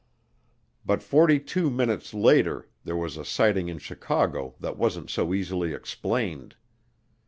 But forty two minutes later there was a sighting in Chicago that wasn't so easily explained.